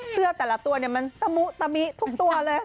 เสื้อแต่ละตัวมันตะมุตะมิทุกตัวเลย